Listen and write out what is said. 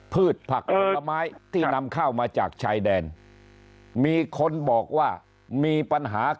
พืชผักผลไม้ที่นำเข้ามาจากชายแดนมีคนบอกว่ามีปัญหา